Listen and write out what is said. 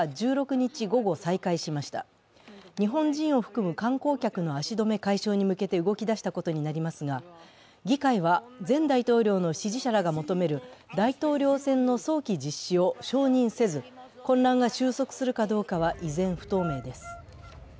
日本人を含む観光客の足止め解消に向けて動き出したことになりますが議会は前大統領の支持者らが求める大統領選の早期実施を承認せず、混乱が収束するかどうかは依然不透明です。